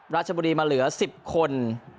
ราชบุรีมาเหลือ๑๐คน